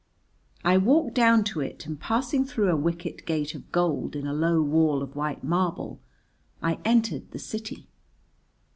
I walked down to it, and, passing through a wicket gate of gold in a low wall of white marble, I entered the city.